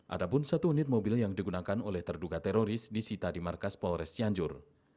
ada pun satu unit mobil yang digunakan oleh terduga teroris disita di markas polres cianjur